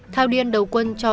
thao điên đầu quân cho